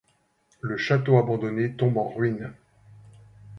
Le château abandonné tombe en ruine.